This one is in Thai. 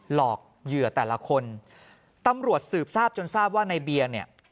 หลอกเหยื่อแต่ละคนตำรวจสืบทราบจนทราบว่าในเบียร์เนี่ย